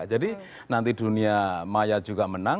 jadi nanti dunia maya juga menang